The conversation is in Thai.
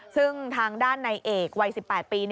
ซึ่งทางด้านในเอกวัย๑๘ปี